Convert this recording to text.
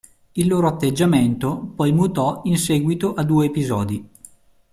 Il loro atteggiamento poi mutò in seguito a due episodi.